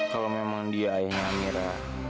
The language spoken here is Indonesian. kalau memang dia ayahnya mira